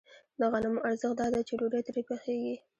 د غنمو ارزښت دا دی چې ډوډۍ ترې پخېږي